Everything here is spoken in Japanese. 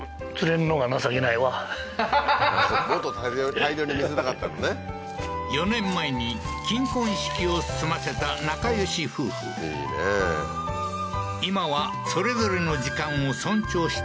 大漁に見せたかったんだね４年前に金婚式を済ませた仲よし夫婦いいねー今はそれぞれの時間を尊重した